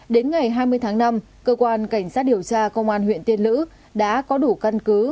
đến ngày hai mươi tháng năm cơ quan cảnh sát điều tra công an huyện tiên lữ đã có đủ căn cứ